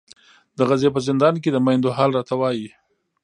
د غزې په زندان کې د میندو حال راته وایي.